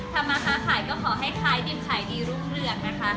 ถ้ามาค้าขายก็ให้ดิ่มขายดีลุ้มเหลืองนะคะ